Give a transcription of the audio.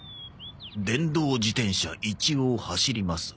「電動自転車一応走ります！」